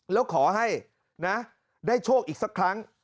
แล้วขอให้นะได้โชคอีกสักครั้ง